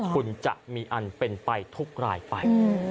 คุณจะมีอันเป็นไปทุกรายไป